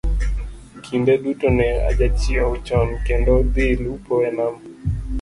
Kinde duto ne ajachiew chon kendo dhi lupo e Nam